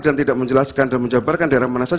dan tidak menjelaskan dan menjelaskan cara pemiluan umum